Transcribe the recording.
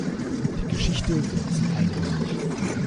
Die Geschichte wird sie einholen.